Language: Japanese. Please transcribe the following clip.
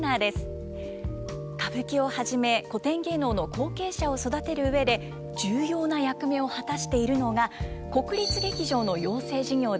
歌舞伎をはじめ古典芸能の後継者を育てる上で重要な役目を果たしているのが国立劇場の養成事業です。